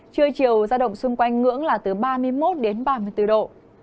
trưa chiều giao động xung quanh ngưỡng là từ ba mươi một đến ba mươi bốn độ